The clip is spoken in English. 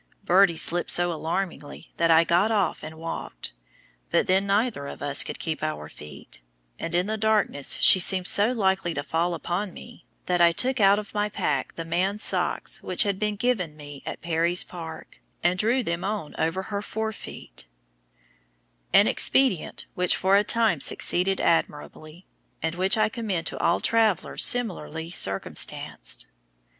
Birdie slipped so alarmingly that I got off and walked, but then neither of us could keep our feet, and in the darkness she seemed so likely to fall upon me, that I took out of my pack the man's socks which had been given me at Perry's Park, and drew them on over her fore feet an expedient which for a time succeeded admirably, and which I commend to all travelers similarly circumstanced.